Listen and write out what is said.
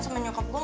terima kasih oang